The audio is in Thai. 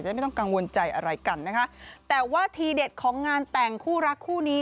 ไม่ต้องกังวลใจอะไรกันนะคะแต่ว่าทีเด็ดของงานแต่งคู่รักคู่นี้